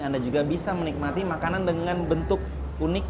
anda juga bisa menikmati makanan dengan bentuk unik